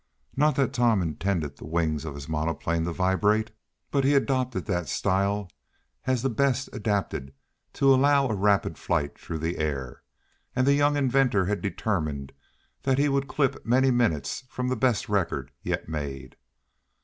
Not that Tom intended the wings of his monoplane to vibrate, but he adopted that style as being the best adapted to allow of rapid flight through the air; and the young inventor had determined that he would clip many minutes from the best record yet made.